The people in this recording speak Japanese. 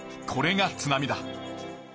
これが津波だ。